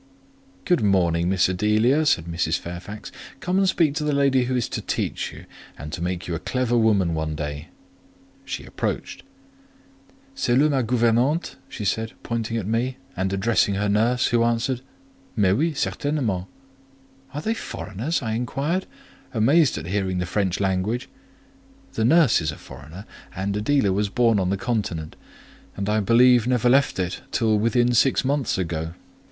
"Good morning, Miss Adela," said Mrs. Fairfax. "Come and speak to the lady who is to teach you, and to make you a clever woman some day." She approached. "C'est là ma gouvernante!" said she, pointing to me, and addressing her nurse; who answered— "Mais oui, certainement." "Are they foreigners?" I inquired, amazed at hearing the French language. "The nurse is a foreigner, and Adela was born on the Continent; and, I believe, never left it till within six months ago.